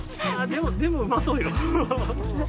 でもうまそうよ。